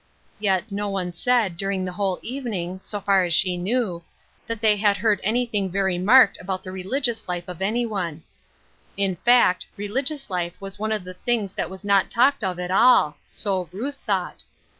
Yet, no one said, during the whole evening — so fai as she knew — that they had heard anything very marked about the religious life of anyone. In fact, religious life was one of the things that was not talked of at all ; so Ruth thought.